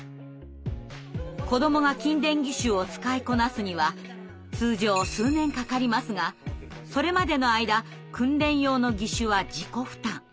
子どもが筋電義手を使いこなすには通常数年かかりますがそれまでの間訓練用の義手は自己負担。